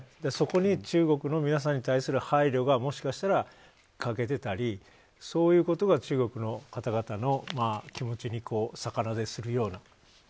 そこに中国の皆さんに対する配慮がもしかしたら、欠けていたりそういうことが中国の方々の気持ちに逆なでするような。